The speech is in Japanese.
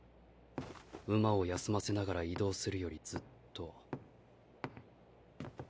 馬を休ませながら移動するよりずっと。